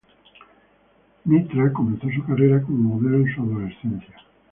Mitra comenzó su carrera como modelo en su adolescencia.